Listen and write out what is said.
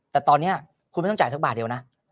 แต่ตอนนี้คุณไม่ต้องจ่ายสักบาทเดียวนะ